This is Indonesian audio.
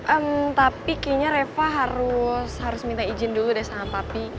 hmm tapi kayaknya reva harus minta izin dulu deh sama papi